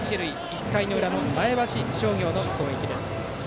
１回の裏の前橋商業の攻撃です。